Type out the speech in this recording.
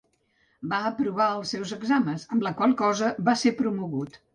Va aprovar els seus exàmens, amb la qual cosa va ser promogut.